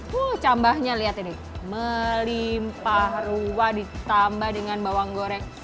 wuh cambahnya lihat ini melimpah ruah ditambah dengan bawang goreng